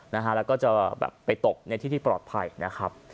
แล้วก็จะแบบไปตกในที่ที่ปลอดภัยนะครับ